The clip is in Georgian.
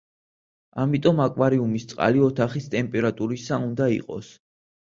ამიტომ აკვარიუმის წყალი ოთახის ტემპერატურისა უნდა იყოს.